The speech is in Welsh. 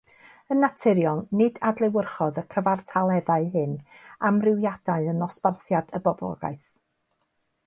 Yn naturiol, nid adlewyrchodd y cyfartaleddau hyn amrywiadau yn nosbarthiad y boblogaeth.